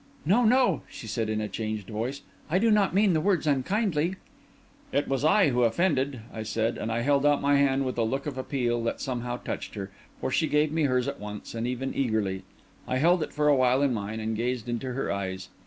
"No, no," she said, in a changed voice; "I did not mean the words unkindly." "It was I who offended," I said; and I held out my hand with a look of appeal that somehow touched her, for she gave me hers at once, and even eagerly. I held it for awhile in mine, and gazed into her eyes.